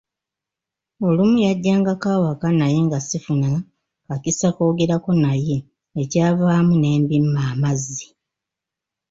Olumu yajjangako ewaka naye nga sifuna kakisa koogerako naye ekyavaamu ne mbimma amazzi.